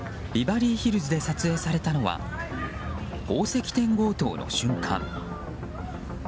ビバリーヒルズで撮影されたのは宝石店強盗の瞬間。